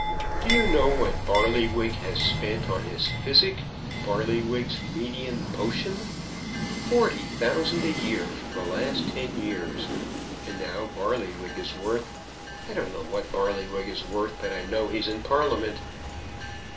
"Do you know what Barlywig has spent on his physic; Barlywig's Medean Potion? Forty thousand a year for the last ten years, and now Barlywig is worth; I don't know what Barlywig is worth; but I know he is in Parliament."